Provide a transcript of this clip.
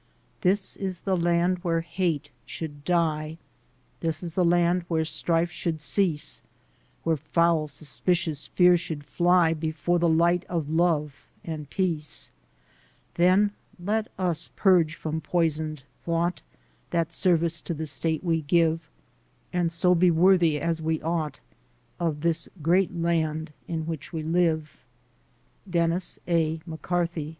This is the land where hate should die This is the land where strife should cease, Where foul, suspicious fear should fly Before the light of love and peace. Then let us purge from poisoned thought That service to the state we give, And so be worthy as we ought Of this great land in which we live! Denis A. McCarthy.